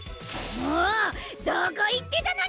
もうどこいってたのニャ！